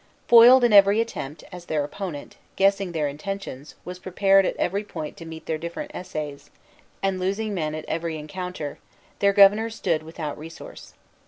Foiled in every attempt, as their opponent, guessing their intentions, was prepared at every point to meet their different essays, and losing men at every rencounter, their governor stood without resource.